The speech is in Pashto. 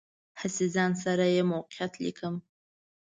هسې ځان سره یې موقعیت لیکم.